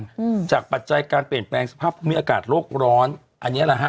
อืมจากปัจจัยการเปลี่ยนแปลงสภาพภูมิอากาศโลกร้อนอันเนี้ยแหละฮะ